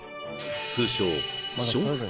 通称